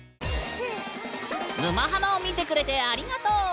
「沼ハマ」を見てくれてありがとう！